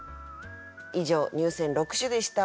以上入選六首でした。